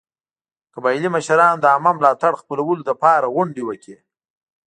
قبایلي مشرانو د عامه ملاتړ خپلولو لپاره غونډې وکړې.